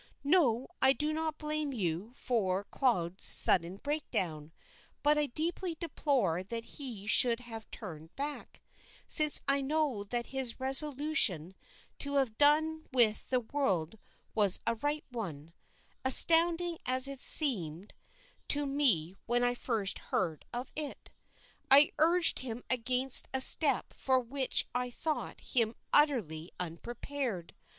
No, I do not blame you for Claude's sudden breakdown, but I deeply deplore that he should have turned back, since I know that his resolution to have done with the world was a right one astounding as it seemed to me when I first heard of it. I urged him against a step for which I thought him utterly unprepared.